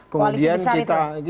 koalisi besar itu ya